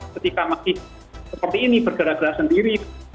ketika masih seperti ini bergerak gerak sendiri